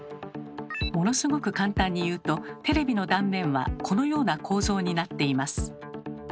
ものすごく簡単に言うとテレビの断面はこのような構造になっています。